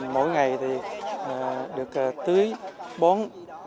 mỗi ngày thì được tưới bón